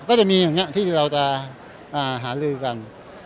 ก็จะมีอย่างนี้ที่เราจะหาลือกัน